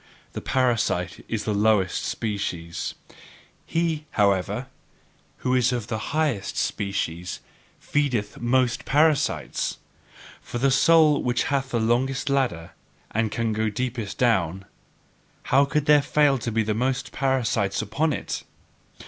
The parasite is the lowest species; he, however, who is of the highest species feedeth most parasites. For the soul which hath the longest ladder, and can go deepest down: how could there fail to be most parasites upon it?